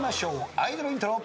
アイドルイントロ。